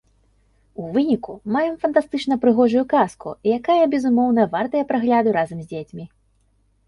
У выніку маем фантастычна прыгожую казку, якая, безумоўна, вартая прагляду разам з дзецьмі.